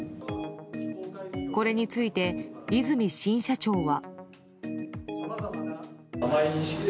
これについて、和泉新社長は。